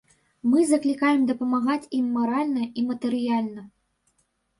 Мы заклікаем дапамагаць ім маральна і матэрыяльна.